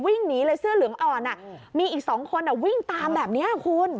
วิ่งหนีเลยเสื้อเหลืองอ่อนมีอีก๒คนวิ่งตามแบบนี้คุณ